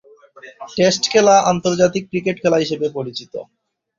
Test খেলা আন্তর্জাতিক cricket খেলা হিসেবে পরিচিত।